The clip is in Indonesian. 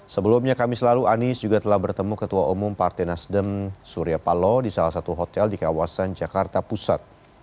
sebelumnya kami selalu anies juga telah bertemu ketua umum partai nasdem surya paloh di salah satu hotel di kawasan jakarta pusat